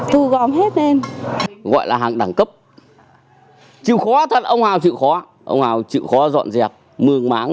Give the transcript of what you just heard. thu gom hết em gọi là hàng đẳng cấp chịu khóa thất ông nào chịu khó ông nào chịu khó dọn dẹp mưa máng